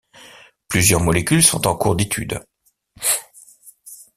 Plusieurs molécules sont en cours d'étude.